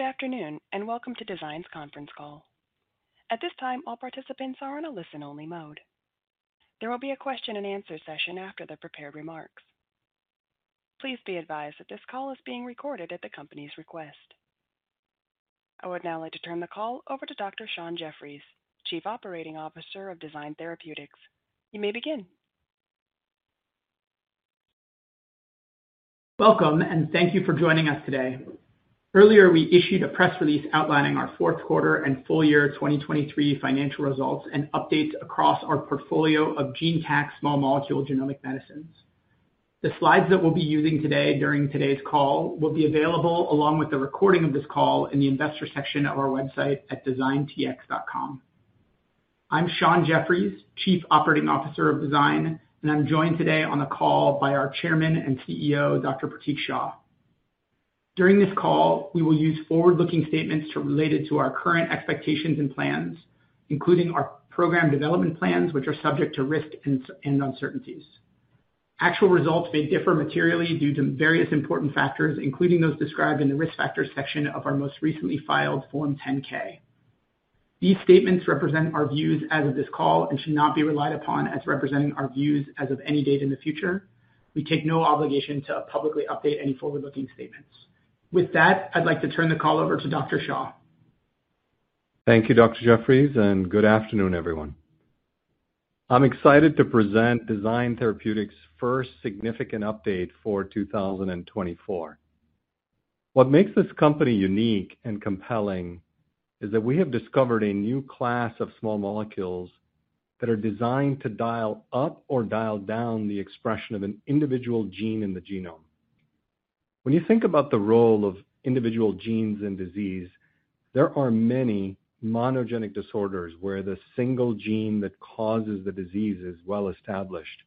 Good afternoon and welcome to Design's conference call. At this time, all participants are on a listen-only mode. There will be a question-and-answer session after the prepared remarks. Please be advised that this call is being recorded at the company's request. I would now like to turn the call over to Dr. Sean Jeffries, Chief Operating Officer of Design Therapeutics. You may begin. Welcome, and thank you for joining us today. Earlier, we issued a press release outlining our fourth quarter and full-year 2023 financial results and updates across our portfolio of GeneTAC small molecule genomic medicines. The slides that we'll be using today during today's call will be available along with the recording of this call in the investor section of our website at designtx.com. I'm Sean Jeffries, Chief Operating Officer of Design, and I'm joined today on the call by our Chairman and CEO, Dr. Pratik Shah. During this call, we will use forward-looking statements related to our current expectations and plans, including our program development plans, which are subject to risk and uncertainties. Actual results may differ materially due to various important factors, including those described in the risk factors section of our most recently filed Form 10-K. These statements represent our views as of this call and should not be relied upon as representing our views as of any date in the future. We take no obligation to publicly update any forward-looking statements. With that, I'd like to turn the call over to Dr. Shah. Thank you, Dr. Jeffries, and good afternoon, everyone. I'm excited to present Design Therapeutics' first significant update for 2024. What makes this company unique and compelling is that we have discovered a new class of small molecules that are designed to dial up or dial down the expression of an individual gene in the genome. When you think about the role of individual genes in disease, there are many monogenic disorders where the single gene that causes the disease is well established.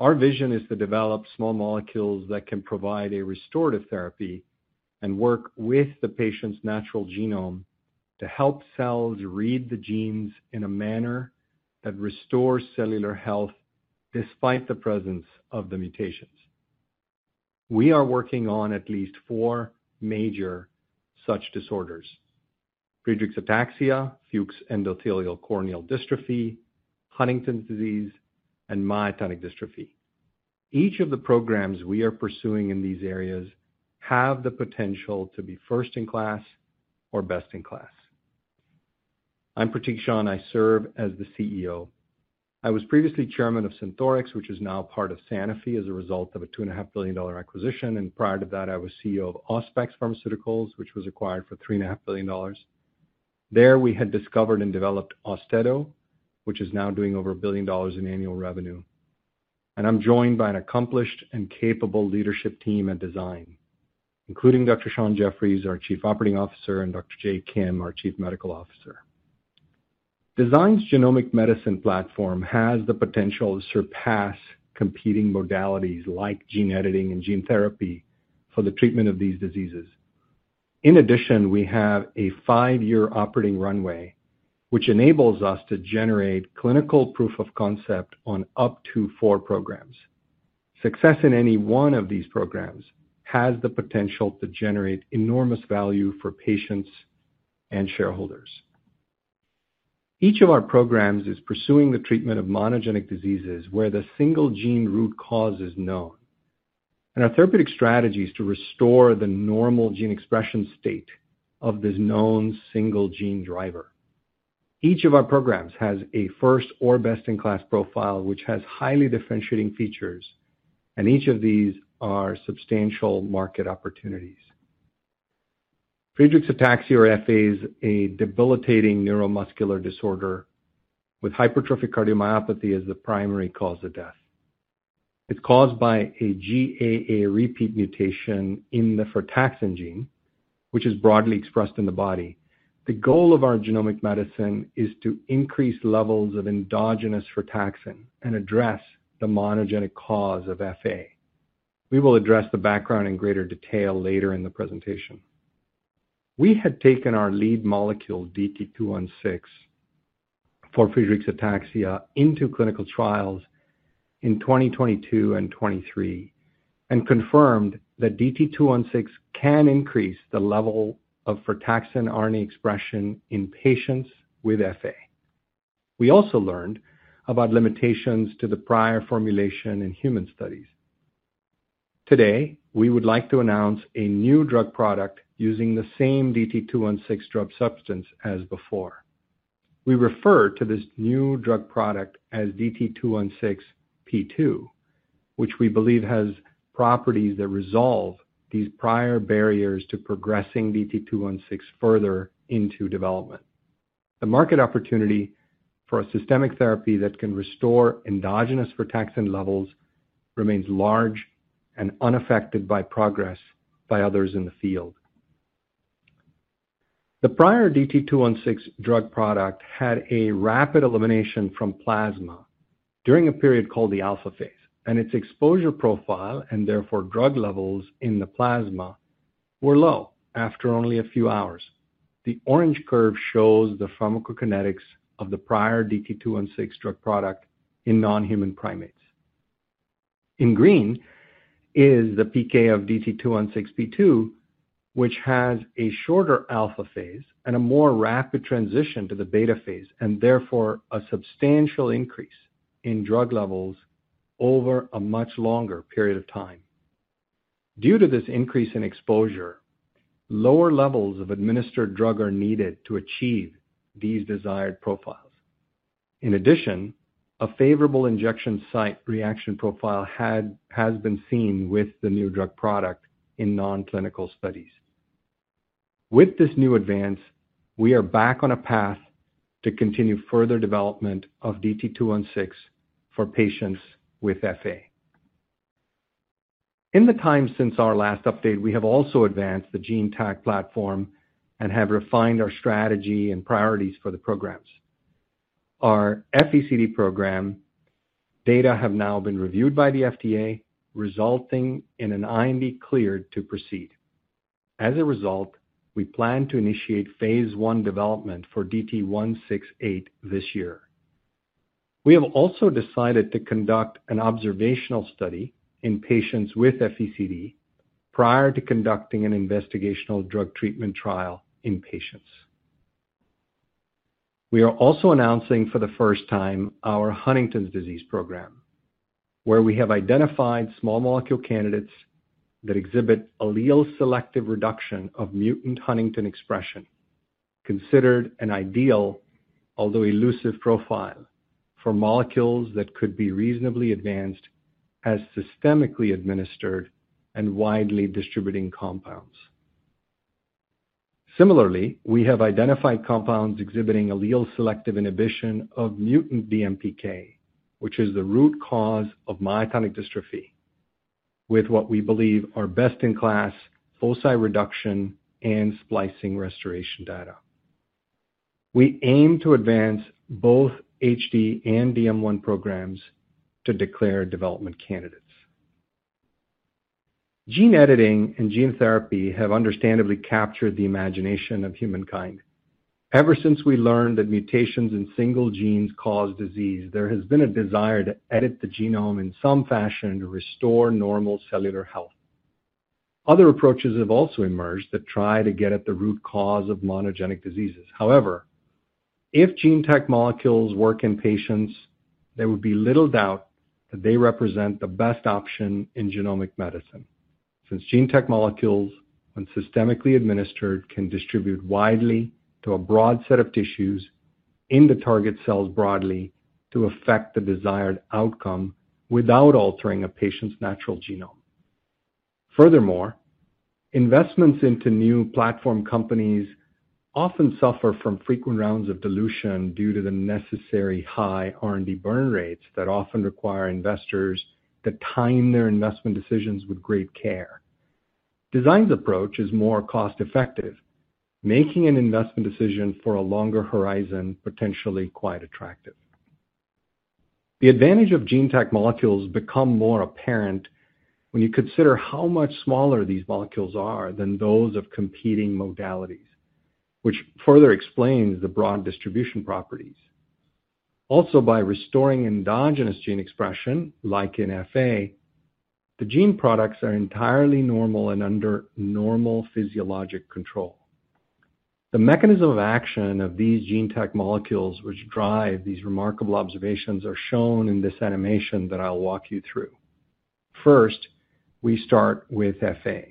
Our vision is to develop small molecules that can provide a restorative therapy and work with the patient's natural genome to help cells read the genes in a manner that restores cellular health despite the presence of the mutations. We are working on at least four major such disorders: Friedreich's ataxia, Fuchs' endothelial corneal dystrophy, Huntington's disease, and myotonic dystrophy. Each of the programs we are pursuing in these areas has the potential to be first-in-class or best-in-class. I'm Pratik Shah. I serve as the CEO. I was previously Chairman of Synthorx, which is now part of Sanofi as a result of a $2.5 billion acquisition. Prior to that, I was CEO of Auspex Pharmaceuticals, which was acquired for $3.5 billion. There, we had discovered and developed AUSTEDO, which is now doing over $1 billion in annual revenue. I'm joined by an accomplished and capable leadership team at Design, including Dr. Sean Jeffries, our Chief Operating Officer, and Dr. Jae Kim, our Chief Medical Officer. Design's genomic medicine platform has the potential to surpass competing modalities like gene editing and gene therapy for the treatment of these diseases. In addition, we have a five year operating runway, which enables us to generate clinical proof of concept on up to four programs. Success in any one of these programs has the potential to generate enormous value for patients and shareholders. Each of our programs is pursuing the treatment of monogenic diseases where the single gene root cause is known, and our therapeutic strategy is to restore the normal gene expression state of this known single gene driver. Each of our programs has a first or best-in-class profile, which has highly differentiating features, and each of these are substantial market opportunities. Friedreich's ataxia, or FA, is a debilitating neuromuscular disorder with hypertrophic cardiomyopathy as the primary cause of death. It's caused by a GAA repeat mutation in the FXN gene, which is broadly expressed in the body. The goal of our genomic medicine is to increase levels of endogenous frataxin and address the monogenic cause of FA. We will address the background in greater detail later in the presentation. We had taken our lead molecule, DT-216, for Friedreich's ataxia, into clinical trials in 2022 and 2023 and confirmed that DT-216 can increase the level of frataxin RNA expression in patients with FA. We also learned about limitations to the prior formulation in human studies. Today, we would like to announce a new drug product using the same DT-216 drug substance as before. We refer to this new drug product as DT-216P2, which we believe has properties that resolve these prior barriers to progressing DT-216 further into development. The market opportunity for a systemic therapy that can restore endogenous frataxin levels remains large and unaffected by progress by others in the field. The prior DT-216 drug product had a rapid elimination from plasma during a period called the alpha phase, and its exposure profile and therefore drug levels in the plasma were low after only a few hours. The orange curve shows the pharmacokinetics of the prior DT-216 drug product in non-human primates. In green is the PK of DT-216P2, which has a shorter alpha phase and a more rapid transition to the beta phase, and therefore a substantial increase in drug levels over a much longer period of time. Due to this increase in exposure, lower levels of administered drug are needed to achieve these desired profiles. In addition, a favorable injection site reaction profile has been seen with the new drug product in non-clinical studies. With this new advance, we are back on a path to continue further development of DT-216 for patients with FA. In the time since our last update, we have also advanced the GeneTAC platform and have refined our strategy and priorities for the programs. Our FECD program data have now been reviewed by the FDA, resulting in an IND cleared to proceed. As a result, we plan to initiate phase 1 development for DT-168 this year. We have also decided to conduct an observational study in patients with FECD prior to conducting an investigational drug treatment trial in patients. We are also announcing for the first time our Huntington's disease program, where we have identified small molecule candidates that exhibit allele selective reduction of mutant Huntington expression, considered an ideal, although elusive, profile for molecules that could be reasonably advanced as systemically administered and widely distributing compounds. Similarly, we have identified compounds exhibiting allele selective inhibition of mutant DMPK, which is the root cause of myotonic dystrophy, with what we believe are best-in-class foci reduction and splicing restoration data. We aim to advance both HD and DM1 programs to declare development candidates. Gene editing and gene therapy have understandably captured the imagination of humankind. Ever since we learned that mutations in single genes cause disease, there has been a desire to edit the genome in some fashion to restore normal cellular health. Other approaches have also emerged that try to get at the root cause of monogenic diseases. However, if GeneTAC molecules work in patients, there would be little doubt that they represent the best option in genomic medicine, since GeneTAC molecules, when systemically administered, can distribute widely to a broad set of tissues in the target cells broadly to affect the desired outcome without altering a patient's natural genome. Furthermore, investments into new platform companies often suffer from frequent rounds of dilution due to the necessary high R&D burn rates that often require investors to time their investment decisions with great care. Design's approach is more cost-effective, making an investment decision for a longer horizon potentially quite attractive. The advantage of GeneTAC molecules becomes more apparent when you consider how much smaller these molecules are than those of competing modalities, which further explains the broad distribution properties. Also, by restoring endogenous gene expression, like in FA, the gene products are entirely normal and under normal physiologic control. The mechanism of action of these GeneTAC molecules, which drive these remarkable observations, are shown in this animation that I'll walk you through. First, we start with FA.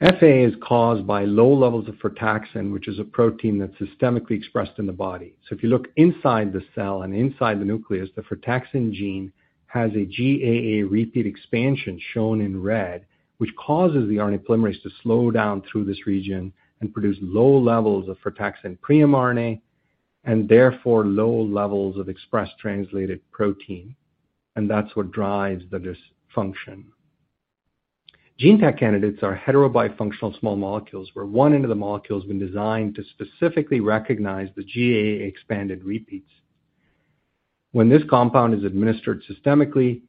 FA is caused by low levels of frataxin, which is a protein that's systemically expressed in the body. So if you look inside the cell and inside the nucleus, the FXN gene has a GAA repeat expansion shown in red, which causes the RNA polymerase to slow down through this region and produce low levels of FXN pre-mRNA and therefore low levels of expressed translated protein. And that's what drives the dysfunction. GeneTAC candidates are heterobifunctional small molecules, where one end of the molecule has been designed to specifically recognize the GAA expanded repeats. When this compound is administered systemically,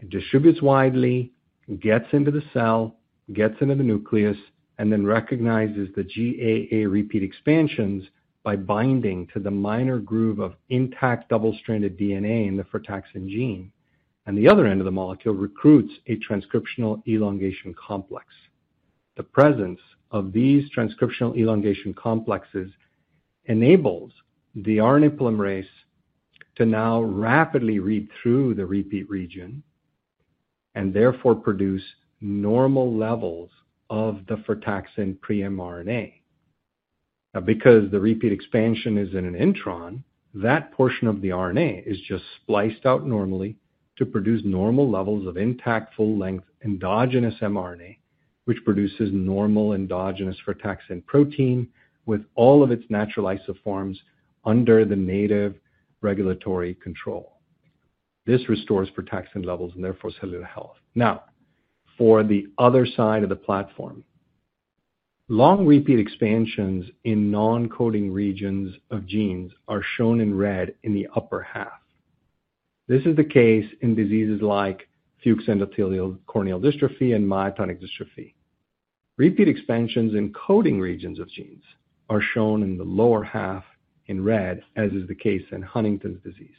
it distributes widely, gets into the cell, gets into the nucleus, and then recognizes the GAA repeat expansions by binding to the minor groove of intact double-stranded DNA in the FXN gene. The other end of the molecule recruits a transcriptional elongation complex. The presence of these transcriptional elongation complexes enables the RNA polymerase to now rapidly read through the repeat region and therefore produce normal levels of the FXN pre-mRNA. Now, because the repeat expansion is in an intron, that portion of the RNA is just spliced out normally to produce normal levels of intact full-length endogenous mRNA, which produces normal endogenous FXN protein with all of its natural isoforms under the native regulatory control. This restores FXN levels and therefore cellular health. Now, for the other side of the platform, long repeat expansions in non-coding regions of genes are shown in red in the upper half. This is the case in diseases like Fuchs' endothelial corneal dystrophy and myotonic dystrophy. Repeat expansions in coding regions of genes are shown in the lower half in red, as is the case in Huntington's disease.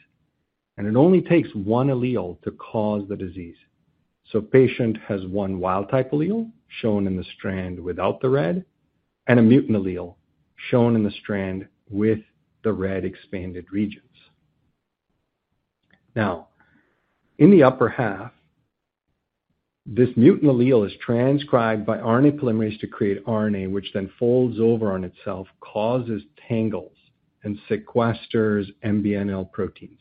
And it only takes one allele to cause the disease. So a patient has one wild-type allele shown in the strand without the red and a mutant allele shown in the strand with the red expanded regions. Now, in the upper half, this mutant allele is transcribed by RNA polymerase to create RNA, which then folds over on itself, causes tangles, and sequesters MBNL proteins.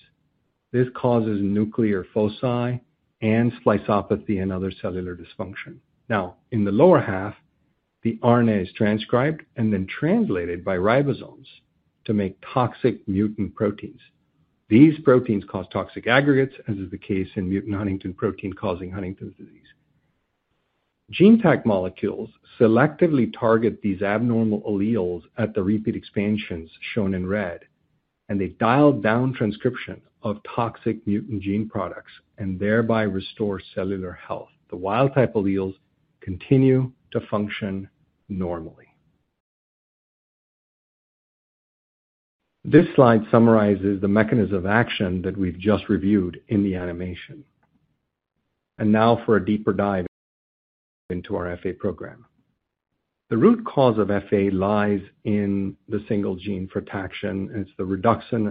This causes nuclear foci and spliceopathy and other cellular dysfunction. Now, in the lower half, the RNA is transcribed and then translated by ribosomes to make toxic mutant proteins. These proteins cause toxic aggregates, as is the case in mutant Huntington protein causing Huntington's disease. GeneTAC molecules selectively target these abnormal alleles at the repeat expansions shown in red, and they dial down transcription of toxic mutant gene products and thereby restore cellular health. The wild-type alleles continue to function normally. This slide summarizes the mechanism of action that we've just reviewed in the animation. And now for a deeper dive into our FA program. The root cause of FA lies in the single gene FXN, and it's the reduction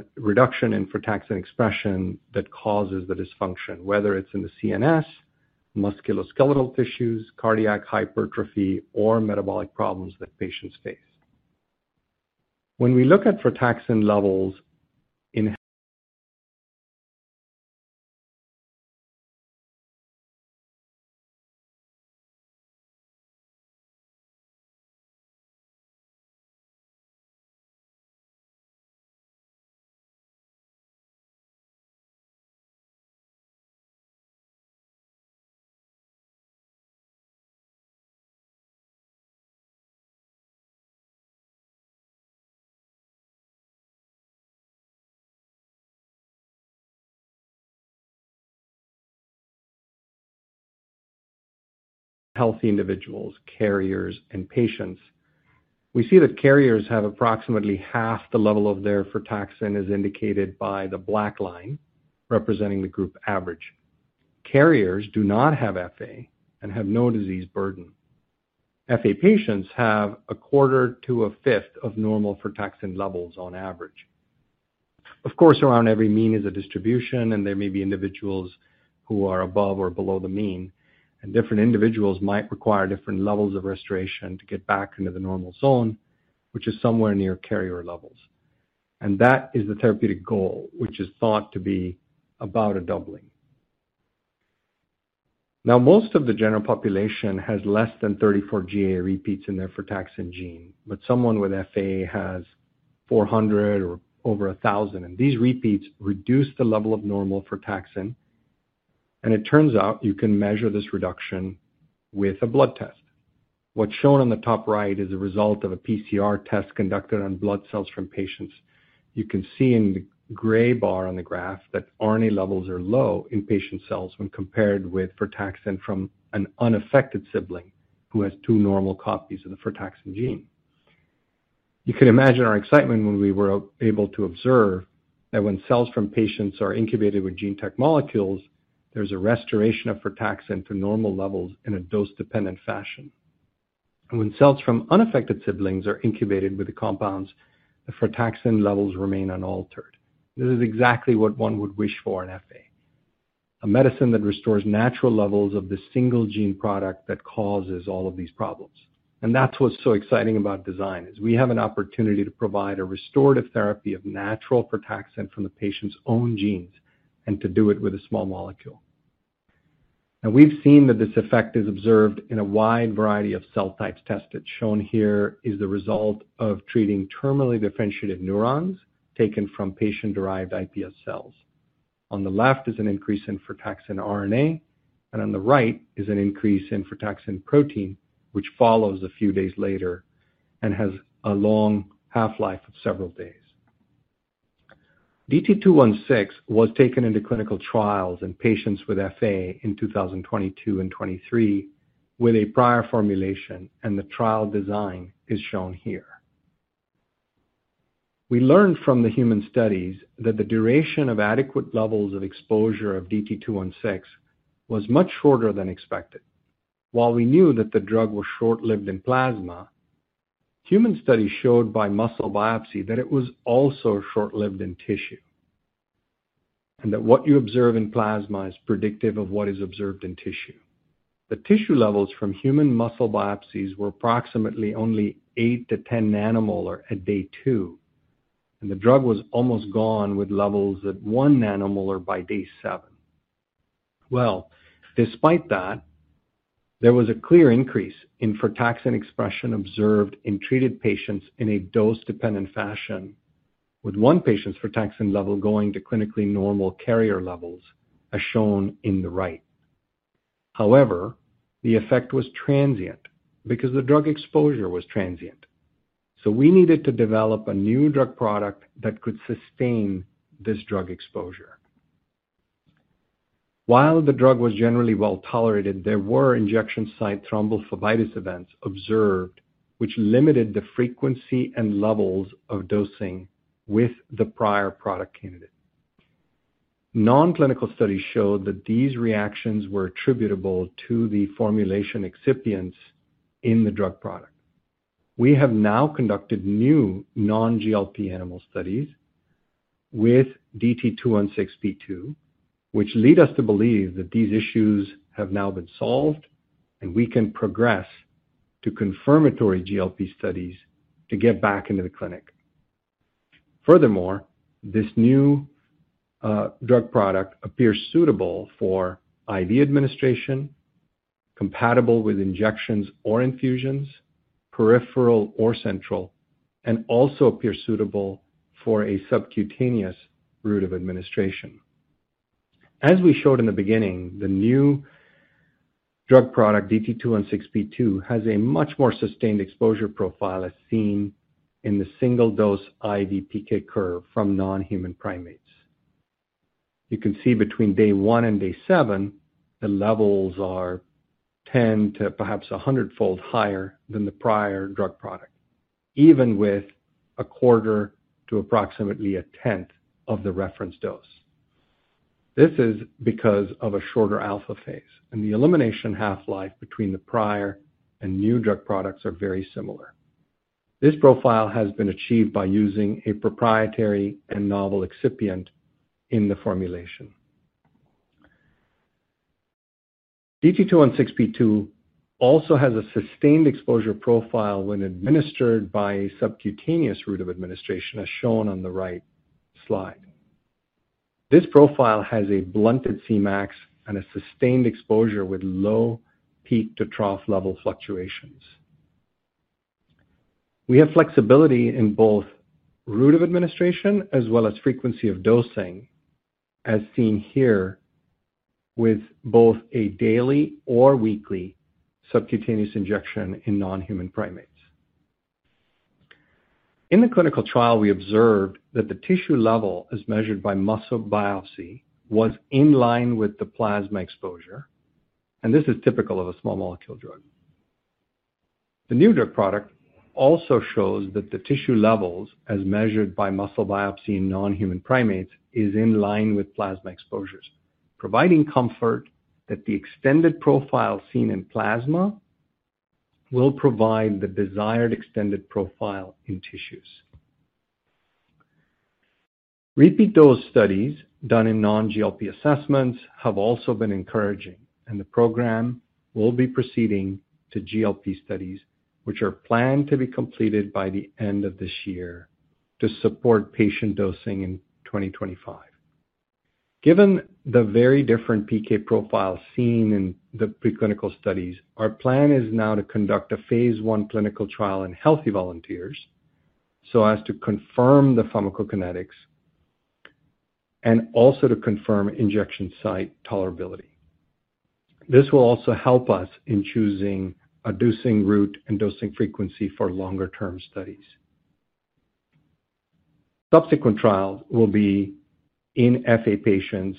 in FXN expression that causes the dysfunction, whether it's in the CNS, musculoskeletal tissues, cardiac hypertrophy, or metabolic problems that patients face. When we look at frataxin levels in healthy individuals, carriers, and patients, we see that carriers have approximately half the level of their frataxin as indicated by the black line, representing the group average. Carriers do not have FA and have no disease burden. FA patients have a quarter to a fifth of normal frataxin levels on average. Of course, around every mean is a distribution, and there may be individuals who are above or below the mean. And different individuals might require different levels of restoration to get back into the normal zone, which is somewhere near carrier levels. And that is the therapeutic goal, which is thought to be about a doubling. Now, most of the general population has less than 34 GAA repeats in their frataxin gene, but someone with FA has 400 or over 1,000. And these repeats reduce the level of normal frataxin. It turns out you can measure this reduction with a blood test. What's shown on the top right is the result of a PCR test conducted on blood cells from patients. You can see in the gray bar on the graph that RNA levels are low in patient cells when compared with frataxin from an unaffected sibling who has two normal copies of the frataxin gene. You can imagine our excitement when we were able to observe that when cells from patients are incubated with GeneTAC molecules, there's a restoration of frataxin to normal levels in a dose-dependent fashion. And when cells from unaffected siblings are incubated with the compounds, the frataxin levels remain unaltered. This is exactly what one would wish for in FA, a medicine that restores natural levels of the single gene product that causes all of these problems. And that's what's so exciting about Design, is we have an opportunity to provide a restorative therapy of natural frataxin from the patient's own genes and to do it with a small molecule. Now, we've seen that this effect is observed in a wide variety of cell types tested. Shown here is the result of treating terminally differentiated neurons taken from patient-derived iPS cells. On the left is an increase in frataxin RNA, and on the right is an increase in frataxin protein, which follows a few days later and has a long half-life of several days. D-T216 was taken into clinical trials in patients with FA in 2022 and 2023 with a prior formulation, and the trial design is shown here. We learned from the human studies that the duration of adequate levels of exposure of DT-216 was much shorter than expected. While we knew that the drug was short-lived in plasma, human studies showed by muscle biopsy that it was also short-lived in tissue and that what you observe in plasma is predictive of what is observed in tissue. The tissue levels from human muscle biopsies were approximately only 8-10 nanomolar at day two, and the drug was almost gone with levels at 1 nanomolar by day seven. Well, despite that, there was a clear increase in FXN expression observed in treated patients in a dose-dependent fashion, with one patient's FXN level going to clinically normal carrier levels, as shown in the right. However, the effect was transient because the drug exposure was transient. So we needed to develop a new drug product that could sustain this drug exposure. While the drug was generally well tolerated, there were injection site thrombophlebitis events observed, which limited the frequency and levels of dosing with the prior product candidate. Non-clinical studies showed that these reactions were attributable to the formulation excipients in the drug product. We have now conducted new non-GLP animal studies with DT-216P2, which lead us to believe that these issues have now been solved and we can progress to confirmatory GLP studies to get back into the clinic. Furthermore, this new drug product appears suitable for IV administration, compatible with injections or infusions, peripheral or central, and also appears suitable for a subcutaneous route of administration. As we showed in the beginning, the new drug product, DT-216P2, has a much more sustained exposure profile as seen in the single-dose IV PK curve from non-human primates. You can see between day one and day seven, the levels are 10- to perhaps 100-fold higher than the prior drug product, even with a quarter to approximately a tenth of the reference dose. This is because of a shorter alpha phase, and the elimination half-life between the prior and new drug products are very similar. This profile has been achieved by using a proprietary and novel excipient in the formulation. DT-216P2 also has a sustained exposure profile when administered by a subcutaneous route of administration, as shown on the right slide. This profile has a blunted Cmax and a sustained exposure with low peak to trough level fluctuations. We have flexibility in both route of administration as well as frequency of dosing, as seen here with both a daily or weekly subcutaneous injection in non-human primates. In the clinical trial, we observed that the tissue level as measured by muscle biopsy was in line with the plasma exposure. This is typical of a small molecule drug. The new drug product also shows that the tissue levels as measured by muscle biopsy in non-human primates is in line with plasma exposures, providing comfort that the extended profile seen in plasma will provide the desired extended profile in tissues. Repeat dose studies done in non-GLP assessments have also been encouraging, and the program will be proceeding to GLP studies, which are planned to be completed by the end of this year to support patient dosing in 2025. Given the very different PK profile seen in the preclinical studies, our plan is now to conduct a phase one clinical trial in healthy volunteers so as to confirm the pharmacokinetics and also to confirm injection site tolerability. This will also help us in choosing a dosing route and dosing frequency for longer-term studies. Subsequent trials will be in FA patients,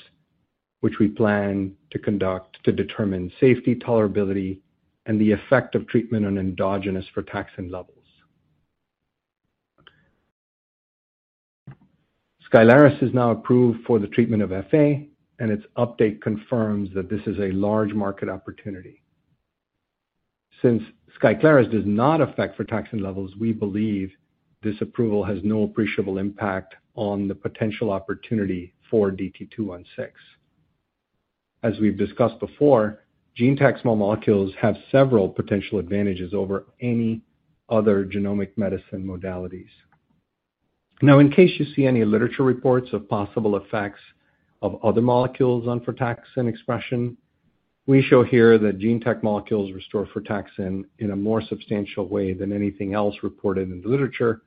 which we plan to conduct to determine safety, tolerability, and the effect of treatment on endogenous frataxin levels. SKYCLARYS is now approved for the treatment of FA, and its uptake confirms that this is a large market opportunity. Since SKYCLARYS does not affect frataxin levels, we believe this approval has no appreciable impact on the potential opportunity for DT-216. As we've discussed before, GeneTAC small molecules have several potential advantages over any other genomic medicine modalities. Now, in case you see any literature reports of possible effects of other molecules on frataxin expression, we show here that GeneTAC molecules restore frataxin in a more substantial way than anything else reported in the literature,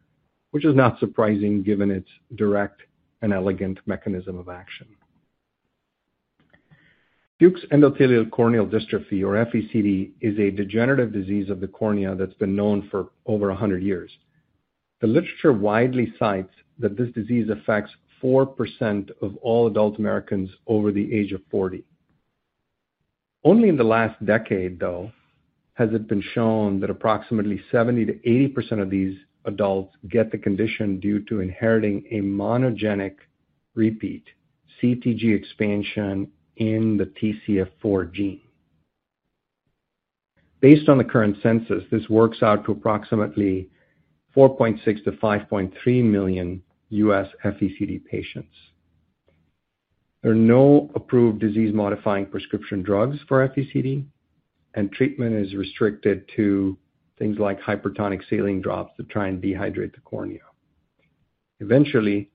which is not surprising given its direct and elegant mechanism of action. Fuchs' endothelial corneal dystrophy, or FECD, is a degenerative disease of the cornea that's been known for over 100 years. The literature widely cites that this disease affects 4% of all adult Americans over the age of 40. Only in the last decade, though, has it been shown that approximately 70%-80% of these adults get the condition due to inheriting a monogenic repeat, CTG expansion in the TCF4 gene. Based on the current census, this works out to approximately 4.6-5.3 million U.S. FECD patients. There are no approved disease-modifying prescription drugs for FECD, and treatment is restricted to things like hypertonic saline drops to try and dehydrate the cornea. Eventually,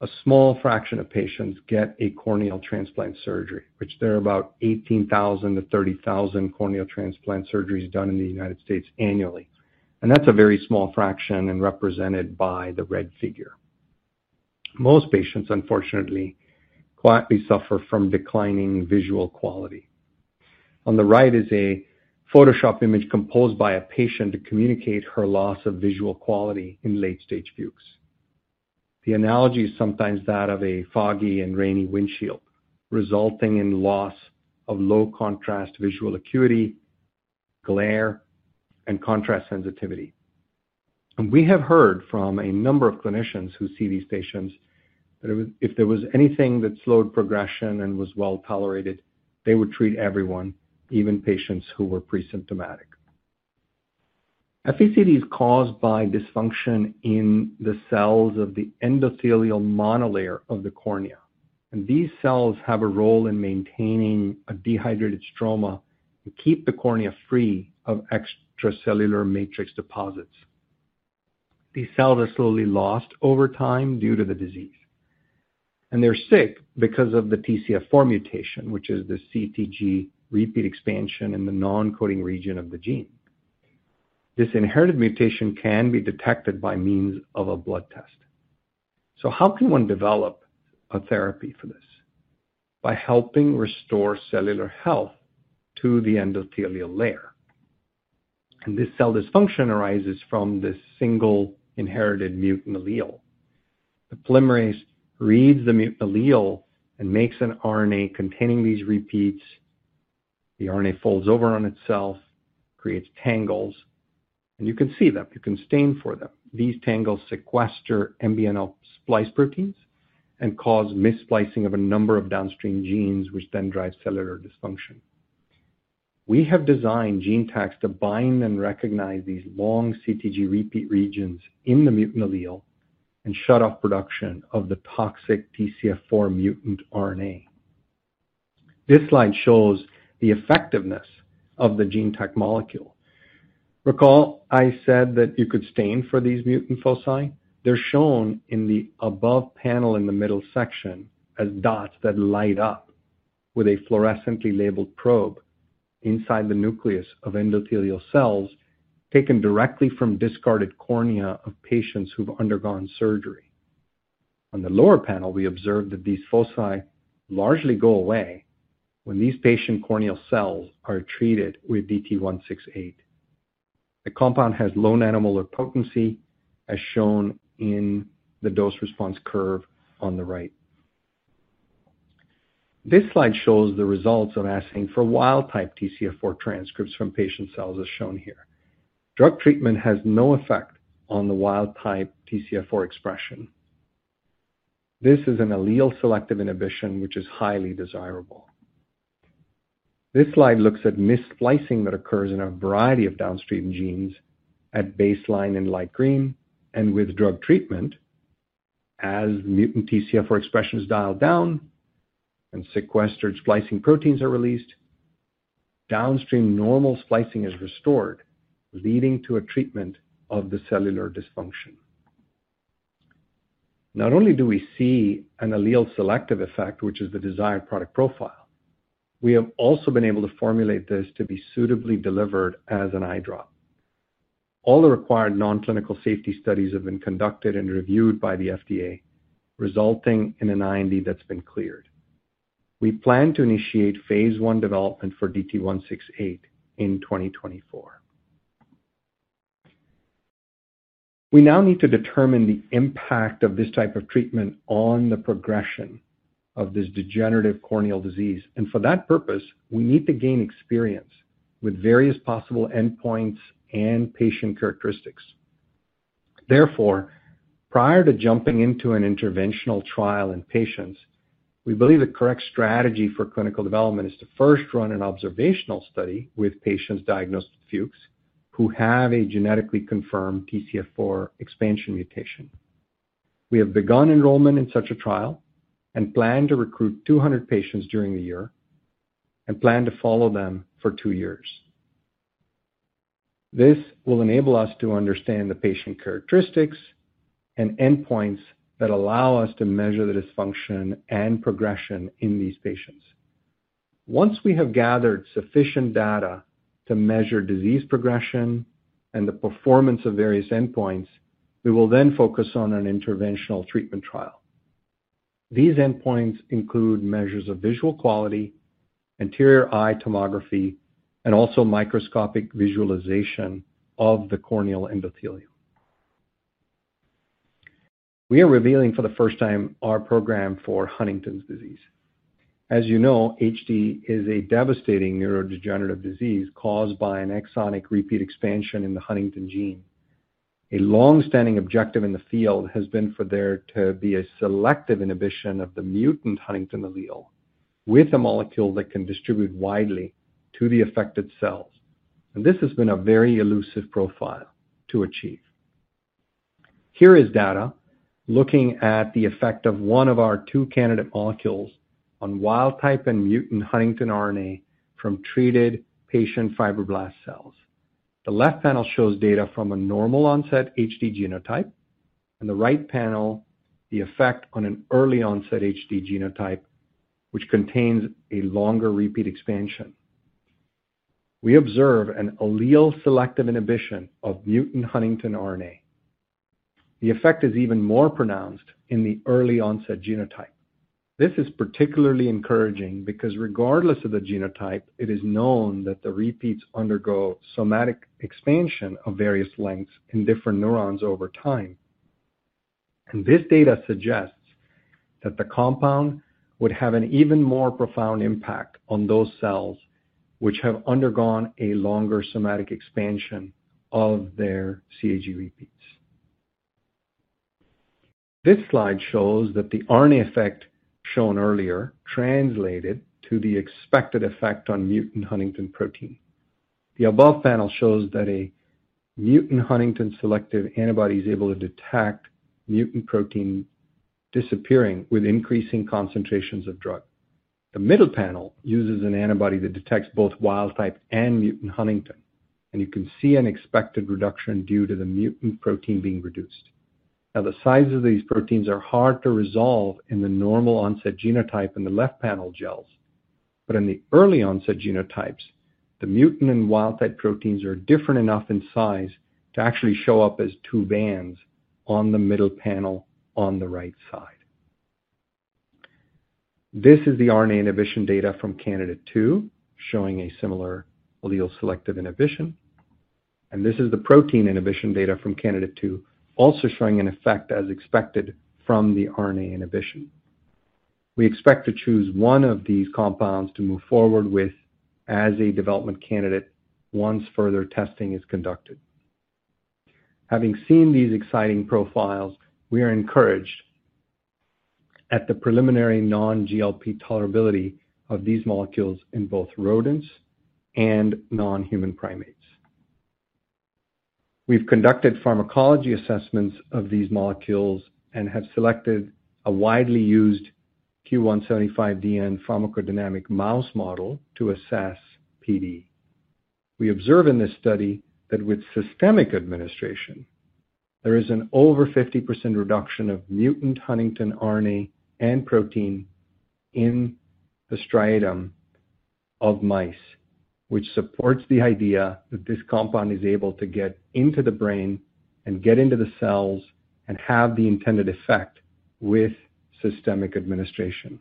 a small fraction of patients get a corneal transplant surgery, which there are about 18,000-30,000 corneal transplant surgeries done in the United States annually. That's a very small fraction and represented by the red figure. Most patients, unfortunately, quietly suffer from declining visual quality. On the right is a Photoshop image composed by a patient to communicate her loss of visual quality in late-stage Fuchs'. The analogy is sometimes that of a foggy and rainy windshield, resulting in loss of low-contrast visual acuity, glare, and contrast sensitivity. We have heard from a number of clinicians who see these patients that if there was anything that slowed progression and was well tolerated, they would treat everyone, even patients who were presymptomatic. FECD is caused by dysfunction in the cells of the endothelial monolayer of the cornea. These cells have a role in maintaining a dehydrated stroma and keep the cornea free of extracellular matrix deposits. These cells are slowly lost over time due to the disease. They're sick because of the TCF4 mutation, which is the CTG repeat expansion in the non-coding region of the gene. This inherited mutation can be detected by means of a blood test. So how can one develop a therapy for this? By helping restore cellular health to the endothelial layer. This cell dysfunction arises from this single inherited mutant allele. The polymerase reads the mutant allele and makes an RNA containing these repeats. The RNA folds over on itself, creates tangles. You can see them. You can stain for them. These tangles sequester MBNL splice proteins and cause missplicing of a number of downstream genes, which then drive cellular dysfunction. We have designed GeneTAC to bind and recognize these long CTG repeat regions in the mutant allele and shut off production of the toxic TCF4 mutant RNA. This slide shows the effectiveness of the GeneTAC molecule. Recall I said that you could stain for these mutant foci. They're shown in the above panel in the middle section as dots that light up with a fluorescently labeled probe inside the nucleus of endothelial cells taken directly from discarded cornea of patients who've undergone surgery. On the lower panel, we observed that these foci largely go away when these patient corneal cells are treated with DT-168. The compound has low nanomolar potency, as shown in the dose-response curve on the right. This slide shows the results of asking for wild-type TCF4 transcripts from patient cells, as shown here. Drug treatment has no effect on the wild-type TCF4 expression. This is an allele selective inhibition, which is highly desirable. This slide looks at missplicing that occurs in a variety of downstream genes at baseline in light green. With drug treatment, as mutant TCF4 expression is dialed down and sequestered splicing proteins are released, downstream normal splicing is restored, leading to a treatment of the cellular dysfunction. Not only do we see an allele selective effect, which is the desired product profile, we have also been able to formulate this to be suitably delivered as an eye drop. All the required non-clinical safety studies have been conducted and reviewed by the FDA, resulting in an IND that's been cleared. We plan to initiate phase 1 development for DT-168 in 2024. We now need to determine the impact of this type of treatment on the progression of this degenerative corneal disease. For that purpose, we need to gain experience with various possible endpoints and patient characteristics. Therefore, prior to jumping into an interventional trial in patients, we believe the correct strategy for clinical development is to first run an observational study with patients diagnosed with Fuchs' who have a genetically confirmed TCF4 expansion mutation. We have begun enrollment in such a trial and plan to recruit 200 patients during the year and plan to follow them for two years. This will enable us to understand the patient characteristics and endpoints that allow us to measure the dysfunction and progression in these patients. Once we have gathered sufficient data to measure disease progression and the performance of various endpoints, we will then focus on an interventional treatment trial. These endpoints include measures of visual quality, anterior eye tomography, and also microscopic visualization of the corneal endothelium. We are revealing for the first time our program for Huntington's disease. As you know, HD is a devastating neurodegenerative disease caused by an exonic repeat expansion in the Huntington gene. A longstanding objective in the field has been for there to be a selective inhibition of the mutant Huntington allele with a molecule that can distribute widely to the affected cells. And this has been a very elusive profile to achieve. Here is data looking at the effect of one of our two candidate molecules on wild-type and mutant Huntington RNA from treated patient fibroblast cells. The left panel shows data from a normal-onset HD genotype. And the right panel, the effect on an early-onset HD genotype, which contains a longer repeat expansion. We observe an allele selective inhibition of mutant Huntington RNA. The effect is even more pronounced in the early-onset genotype. This is particularly encouraging because, regardless of the genotype, it is known that the repeats undergo somatic expansion of various lengths in different neurons over time. This data suggests that the compound would have an even more profound impact on those cells which have undergone a longer somatic expansion of their CAG repeats. This slide shows that the RNA effect shown earlier translated to the expected effect on mutant Huntington protein. The above panel shows that a mutant Huntington selective antibody is able to detect mutant protein disappearing with increasing concentrations of drug. The middle panel uses an antibody that detects both wild-type and mutant Huntington. You can see an expected reduction due to the mutant protein being reduced. Now, the sizes of these proteins are hard to resolve in the normal-onset genotype in the left panel gels. But in the early-onset genotypes, the mutant and wild-type proteins are different enough in size to actually show up as two bands on the middle panel on the right side. This is the RNA inhibition data from candidate two, showing a similar allele selective inhibition. And this is the protein inhibition data from candidate two, also showing an effect as expected from the RNA inhibition. We expect to choose one of these compounds to move forward with as a development candidate once further testing is conducted. Having seen these exciting profiles, we are encouraged at the preliminary non-GLP tolerability of these molecules in both rodents and non-human primates. We've conducted pharmacology assessments of these molecules and have selected a widely used Q175DN pharmacodynamic mouse model to assess PD. We observe in this study that, with systemic administration, there is an over 50% reduction of mutant Huntington RNA and protein in the striatum of mice, which supports the idea that this compound is able to get into the brain and get into the cells and have the intended effect with systemic administration.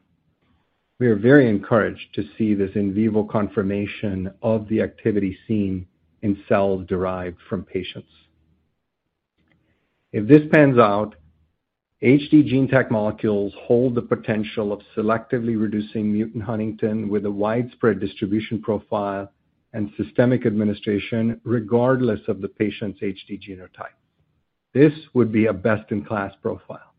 We are very encouraged to see this in vivo confirmation of the activity seen in cells derived from patients. If this pans out, HD GeneTAC molecules hold the potential of selectively reducing mutant Huntington with a widespread distribution profile and systemic administration, regardless of the patient's HD genotype. This would be a best-in-class profile.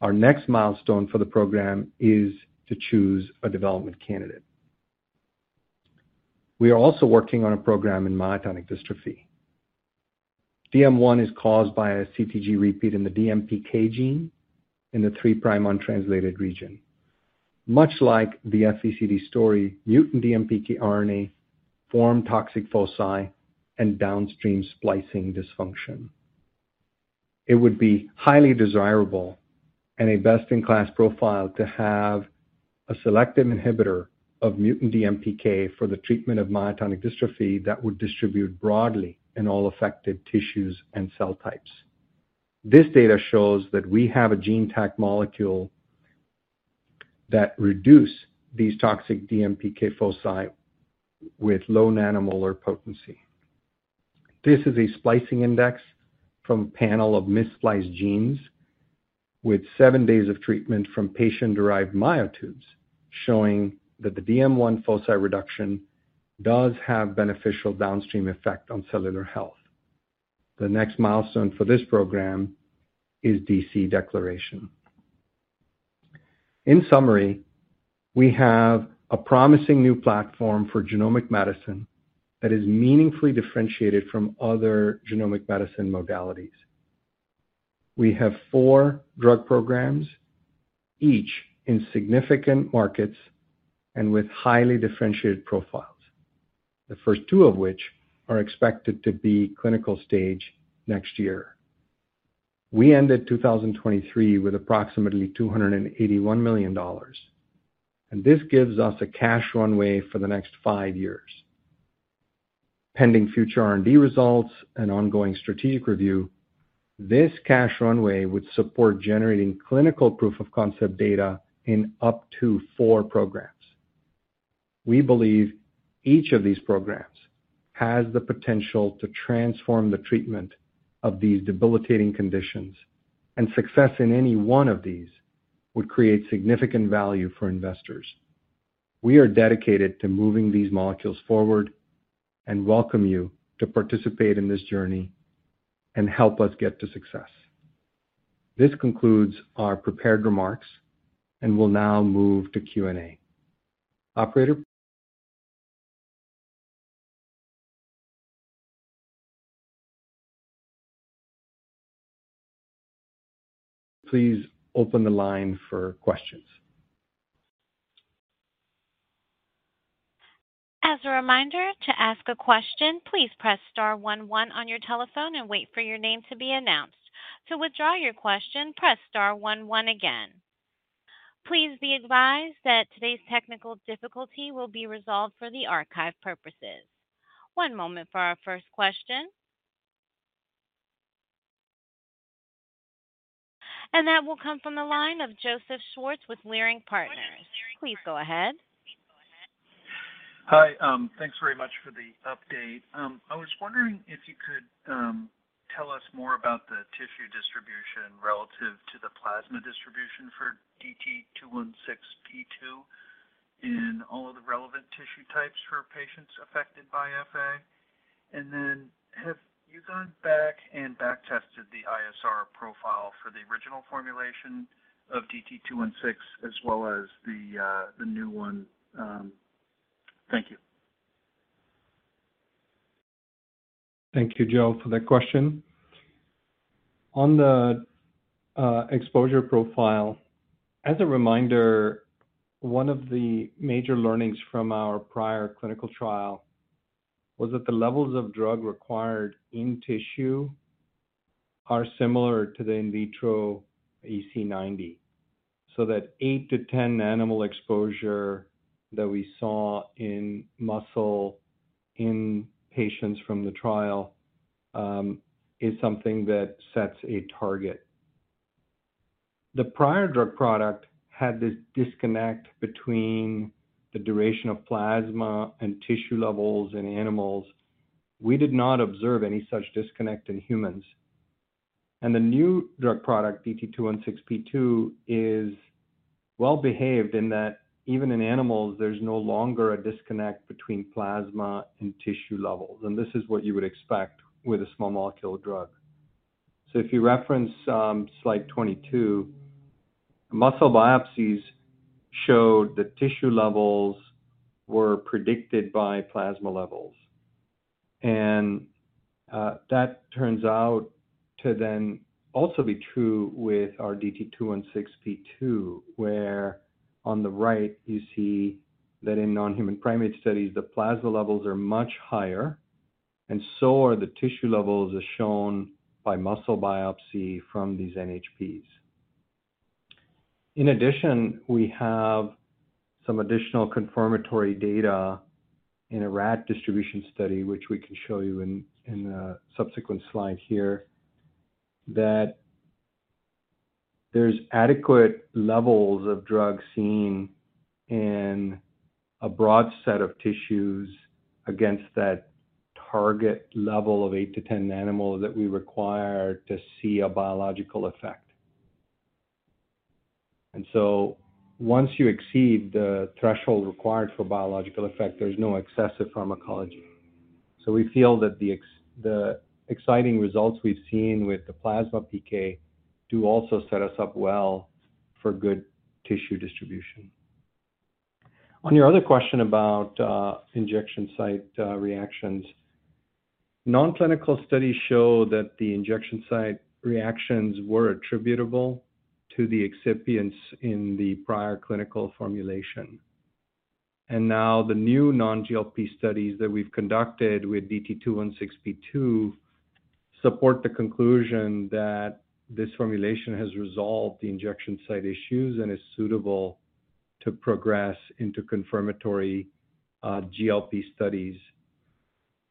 Our next milestone for the program is to choose a development candidate. We are also working on a program in myotonic dystrophy. DM1 is caused by a CTG repeat in the DMPK gene in the 3' untranslated region. Much like the FECD story, mutant DMPK RNA forms toxic foci and downstream splicing dysfunction. It would be highly desirable and a best-in-class profile to have a selective inhibitor of mutant DMPK for the treatment of myotonic dystrophy that would distribute broadly in all affected tissues and cell types. This data shows that we have a GeneTAC molecule that reduces these toxic DMPK foci with low nanomolar potency. This is a splicing index from a panel of misspliced genes with seven days of treatment from patient-derived myotubes, showing that the DM1 foci reduction does have beneficial downstream effect on cellular health. The next milestone for this program is IND declaration. In summary, we have a promising new platform for genomic medicine that is meaningfully differentiated from other genomic medicine modalities. We have four drug programs, each in significant markets and with highly differentiated profiles, the first two of which are expected to be clinical stage next year. We ended 2023 with approximately $281 million. This gives us a cash runway for the next five years. Pending future R&D results and ongoing strategic review, this cash runway would support generating clinical proof-of-concept data in up to four programs. We believe each of these programs has the potential to transform the treatment of these debilitating conditions. Success in any one of these would create significant value for investors. We are dedicated to moving these molecules forward and welcome you to participate in this journey and help us get to success. This concludes our prepared remarks and will now move to Q&A. Operator. Please open the line for questions. As a reminder, to ask a question, please press star one one on your telephone and wait for your name to be announced. To withdraw your question, press star one one again. Please be advised that today's technical difficulty will be resolved for the archive purposes. One moment for our first question. That will come from the line of Joseph Schwartz with Leerink Partners. Please go ahead. Hi. Thanks very much for the update. I was wondering if you could tell us more about the tissue distribution relative to the plasma distribution for DT-216P2 in all of the relevant tissue types for patients affected by FA. And then have you gone back and backtested the ISR profile for the original formulation of DT-216 as well as the new one? Thank you. Thank you, Joe, for that question. On the exposure profile, as a reminder, one of the major learnings from our prior clinical trial was that the levels of drug required in tissue are similar to the in vitro EC90. So that 8-10 nanomolar exposure that we saw in muscle in patients from the trial is something that sets a target. The prior drug product had this disconnect between the duration of plasma and tissue levels in animals. We did not observe any such disconnect in humans. The new drug product, DT-216P2, is well-behaved in that, even in animals, there's no longer a disconnect between plasma and tissue levels. This is what you would expect with a small molecule drug. So if you reference slide 22, muscle biopsies showed that tissue levels were predicted by plasma levels. And that turns out to then also be true with our DT-216P2, where, on the right, you see that, in non-human primate studies, the plasma levels are much higher. And so are the tissue levels as shown by muscle biopsy from these NHPs. In addition, we have some additional confirmatory data in a rat distribution study, which we can show you in the subsequent slide here, that there's adequate levels of drug seen in a broad set of tissues against that target level of 8-10 nanomolar that we require to see a biological effect. And so once you exceed the threshold required for biological effect, there's no excessive pharmacology. So we feel that the exciting results we've seen with the plasma PK do also set us up well for good tissue distribution. On your other question about injection site reactions, non-clinical studies show that the injection site reactions were attributable to the excipients in the prior clinical formulation. And now, the new non-GLP studies that we've conducted with DT-216P2 support the conclusion that this formulation has resolved the injection site issues and is suitable to progress into confirmatory GLP studies.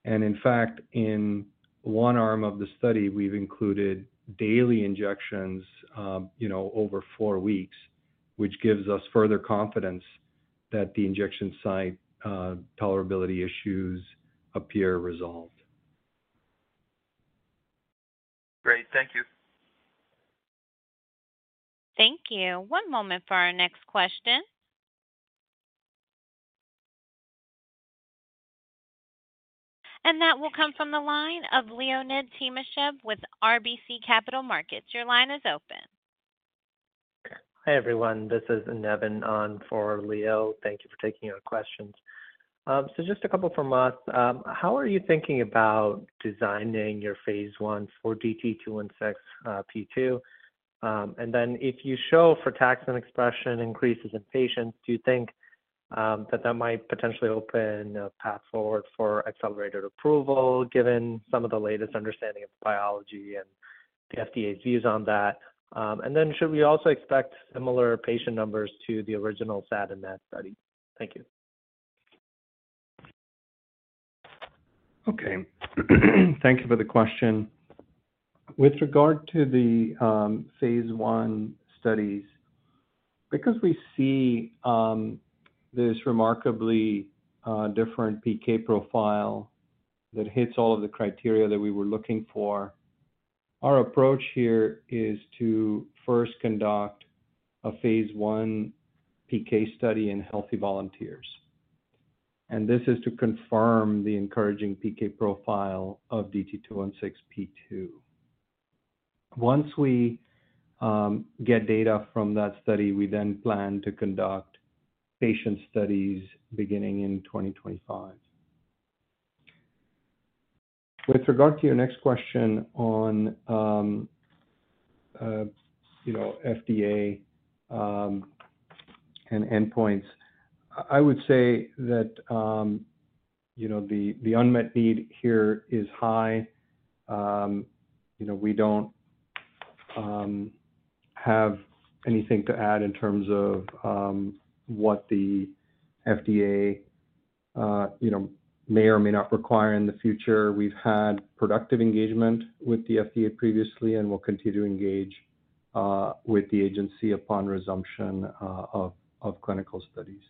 And, in fact, in one arm of the study, we've included daily injections over 4 weeks, which gives us further confidence that the injection site tolerability issues appear resolved. Great. Thank you. Thank you. One moment for our next question. And that will come from the line of Leonid Timashev with RBC Capital Markets. Your line is open. Hi, everyone. This is Nevin on for Leo. Thank you for taking your questions. So just a couple from us. How are you thinking about designing your phase I for DT-216P2? And then, if you show frataxin expression increases in patients, do you think that that might potentially open a path forward for accelerated approval, given some of the latest understanding of biology and the FDA's views on that? And then should we also expect similar patient numbers to the original SAD and MAD study? Thank you. Okay. Thank you for the question. With regard to the phase I studies, because we see this remarkably different PK profile that hits all of the criteria that we were looking for, our approach here is to first conduct a phase I PK study in healthy volunteers. And this is to confirm the encouraging PK profile of DT-216P2. Once we get data from that study, we then plan to conduct patient studies beginning in 2025. With regard to your next question on FDA and endpoints, I would say that the unmet need here is high. We don't have anything to add in terms of what the FDA may or may not require in the future. We've had productive engagement with the FDA previously and will continue to engage with the agency upon resumption of clinical studies.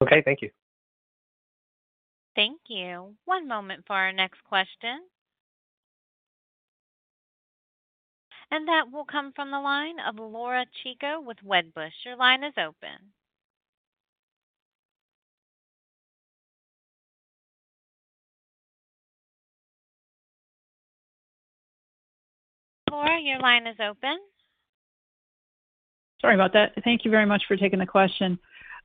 Okay. Thank you. Thank you. One moment for our next question. That will come from the line of Laura Chico with Wedbush. Your line is open. Laura, your line is open. Sorry about that. Thank you very much for taking the question.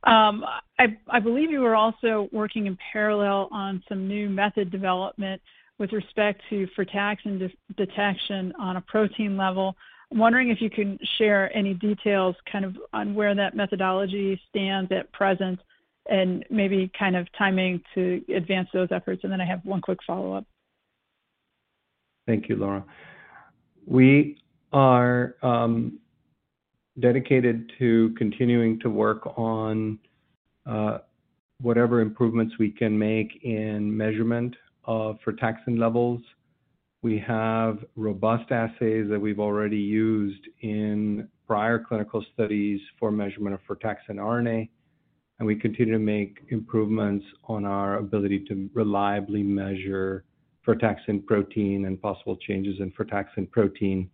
I believe you were also working in parallel on some new method development with respect to frataxin detection on a protein level. I'm wondering if you can share any details kind of on where that methodology stands at present and maybe kind of timing to advance those efforts. And then I have one quick follow-up. Thank you, Laura. We are dedicated to continuing to work on whatever improvements we can make in measurement of frataxin levels. We have robust assays that we've already used in prior clinical studies for measurement of frataxin RNA. And we continue to make improvements on our ability to reliably measure frataxin protein and possible changes in frataxin protein.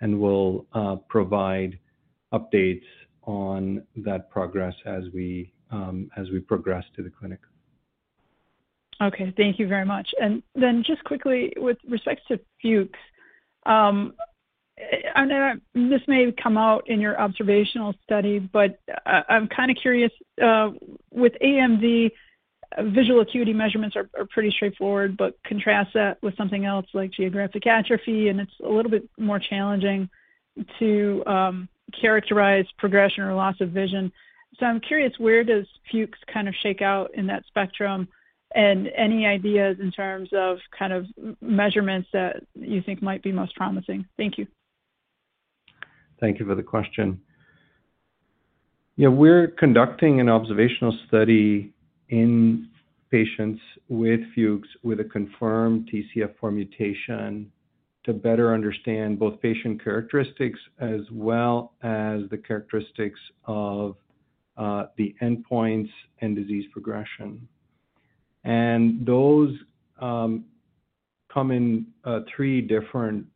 And we'll provide updates on that progress as we progress to the clinic. Okay. Thank you very much. And then just quickly, with respect to Fuchs', I know this may come out in your observational study, but I'm kind of curious. With AMD, visual acuity measurements are pretty straightforward, but contrast that with something else like geographic atrophy, and it's a little bit more challenging to characterize progression or loss of vision. So I'm curious, where does Fuchs' kind of shake out in that spectrum? And any ideas in terms of kind of measurements that you think might be most promising? Thank you. Thank you for the question. Yeah. We're conducting an observational study in patients with Fuchs' with a confirmed TCF4 mutation to better understand both patient characteristics as well as the characteristics of the endpoints and disease progression. And those come in three different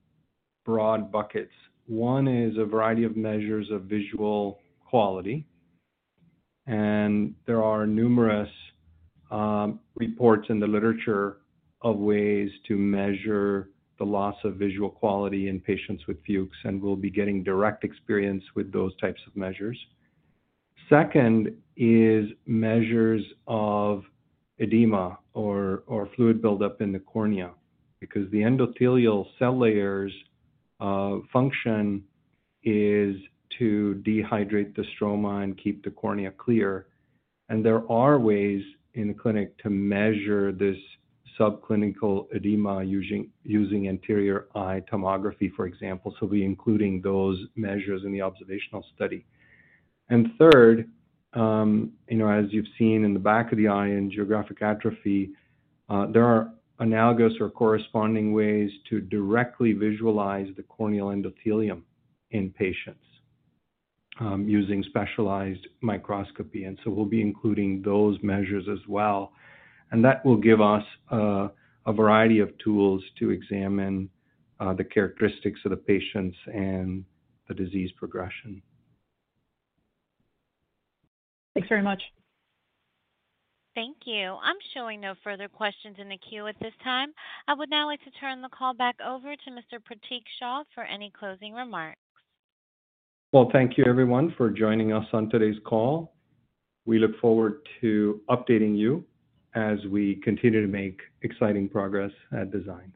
broad buckets. One is a variety of measures of visual quality. And there are numerous reports in the literature of ways to measure the loss of visual quality in patients with Fuchs', and we'll be getting direct experience with those types of measures. Second is measures of edema or fluid buildup in the cornea because the endothelial cell layers' function is to dehydrate the stroma and keep the cornea clear. And there are ways in the clinic to measure this subclinical edema using anterior eye tomography, for example. So we're including those measures in the observational study. And third, as you've seen in the back of the eye in geographic atrophy, there are analogous or corresponding ways to directly visualize the corneal endothelium in patients using specialized microscopy. And so we'll be including those measures as well. And that will give us a variety of tools to examine the characteristics of the patients and the disease progression. Thanks very much. Thank you. I'm showing no further questions in the queue at this time. I would now like to turn the call back over to Mr. Pratik Shah for any closing remarks. Well, thank you, everyone, for joining us on today's call. We look forward to updating you as we continue to make exciting progress at Design.